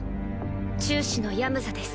中指のヤムザです。